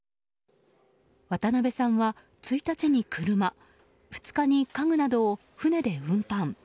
渡邊さんは１日に車２日に家具などを船で運搬。